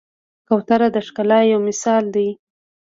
کوتره د ښکلا یو مثال دی.